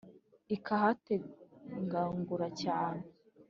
, Ikahatengagura cyane